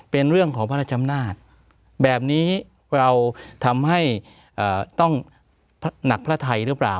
เป็นเรื่องของพระราชอำนาจแบบนี้เราทำให้ต้องหนักพระไทยหรือเปล่า